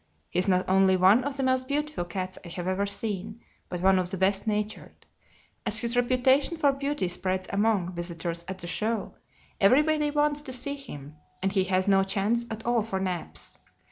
He is not only one of the most beautiful cats I have ever seen, but one of the best natured: as his reputation for beauty spreads among visitors at the show, everybody wants to see him, and he has no chance at all for naps.